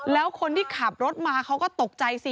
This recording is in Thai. แล้วคนที่ขับรถมาเขาก็ตกใจสิ